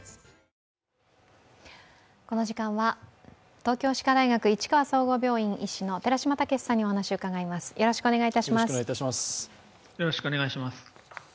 この時間は東京歯科大学市川総合病院医師の寺嶋毅さんにお話を伺います。